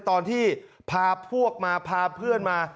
ตอนที่พาพวกมาพาเพื่อนมา